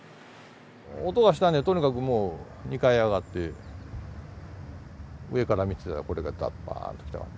音がしたんで、とにかくもう２階に上がって、上から見てたらこれがどばーっと来た。